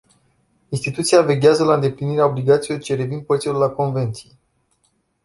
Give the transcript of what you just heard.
Instituția veghează la îndeplinirea obligațiilor ce revin părților la convenție.